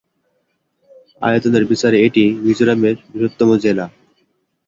আয়তনের বিচারে এটি মিজোরামের বৃহত্তম জেলা।